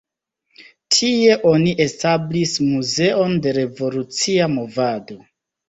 Tie oni establis muzeon de revolucia movado.